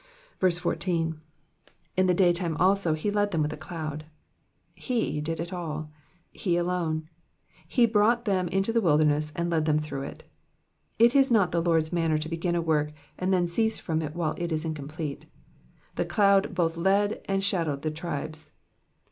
14. ^' In the daytime also he led them with a cloud.'*'* He did it all. He alone. He brought them into the wilderness, and he led them through it ; it is not the Lord's manner to begin a work, and then cease from it while it is incomplete. The cloud both led and shadowed the tribes.